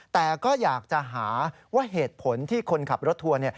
แต่ก็อยากจะหาว่าเหตุผลที่คนขับรถทัวร์